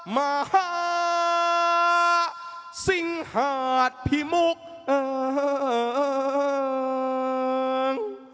มนเทียน